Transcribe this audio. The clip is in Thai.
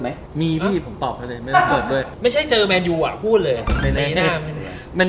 ไม่ใช่เงินมันจริง